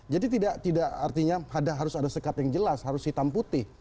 jadi tidak artinya harus ada sekat yang jelas harus hitam putih